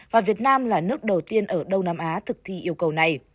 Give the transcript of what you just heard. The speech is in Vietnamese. và việt nam là nước đầu tiên ở đông nam á thực thi yêu cầu này